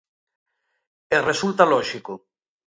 E resulta lóxico.